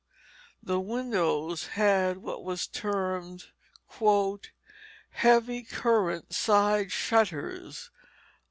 The windows had what were termed "heavy current side shutters."